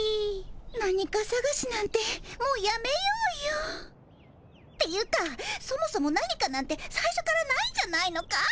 何かさがしなんてもうやめようよっていうかそもそも何かなんてさいしょからないんじゃないのかい。